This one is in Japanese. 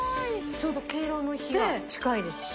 ちょうど敬老の日が近いですし。